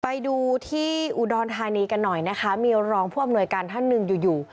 ไปดูที่อุดรธานีกันหน่อยนะคะมีรองผู้อำนวยการท่านหนึ่งอยู่อยู่